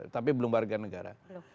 tapi belum warga negara